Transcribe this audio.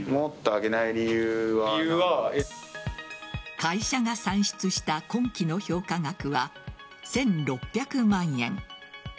会社が算出した今期の評価額は１６００万円。